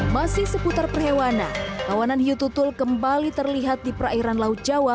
masih seputar perhewanan hawanan hiu tutul kembali terlihat di perairan laut jawa